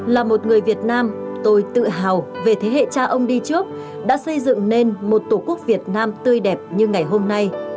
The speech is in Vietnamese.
là một người việt nam tôi tự hào về thế hệ cha ông đi trước đã xây dựng nên một tổ quốc việt nam tươi đẹp như ngày hôm nay